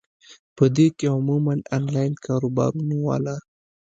پۀ دې کښې عموماً انلائن کاروبارونو واله ،